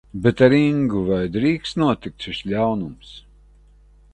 Bet ar Ingu, vai drīkst notikt šis ļaunums?